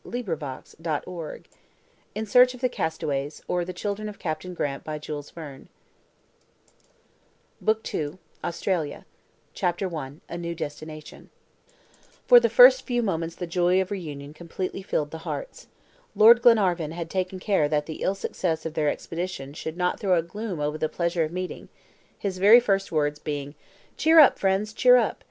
END OF BOOK ONE IN SEARCH OF THE CASTAWAYS OR THE CHILDREN OF CAPTAIN GRANT AUSTRALIA [page intentionally blank] CHAPTER I A NEW DESTINATION FOR the first few moments the joy of reunion completely filled the hearts. Lord Glenarvan had taken care that the ill success of their expedition should not throw a gloom over the pleasure of meeting, his very first words being: "Cheer up, friends, cheer up!